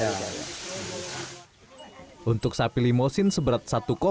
sapi ini telah dirawat pemiliknya sejak tujuh tahun lalu